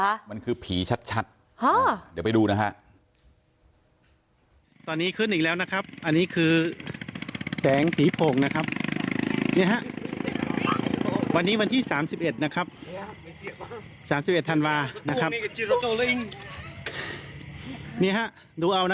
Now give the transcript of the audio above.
คราวมันคือผีชัดเดี๋ยวไปดูนะฮะตอนนี้ขึ้น